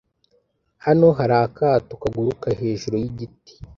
Hano hari akato kaguruka hejuru yigiti.